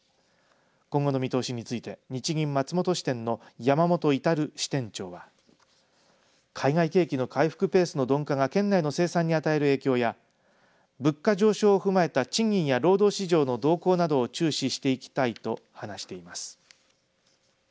今後の見通しについて日銀松本支店の山本格支店長は海外景気の回復ペースの鈍化が県内の生産に与える影響や物価上昇を踏まえた賃金や労働市場の動向などを注視していきたいと話しています。